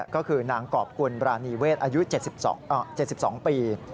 ก็คือนางกรอบกุลบราณีเวศอายุ๗๒ปี